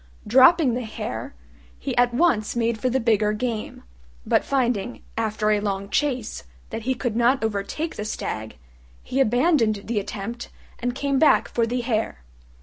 Dropping the Hare, he at once made for the bigger game; but finding, after a long chase, that he could not overtake the stag, he abandoned the attempt and came back for the Hare.